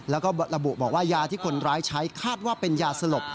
แล้วก็ระบุบอกว่ายาที่คนร้ายใช้คาดว่าเป็นยาสลบ